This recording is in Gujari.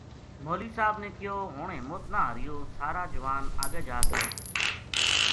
مولوی صاحب نے کہیو ہن ہمت نہ ہاریو سارا جوان اگے جا کے